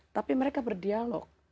tapi mereka berdialog